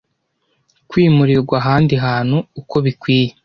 kwimurirwa ahandi hantu uko bikwiye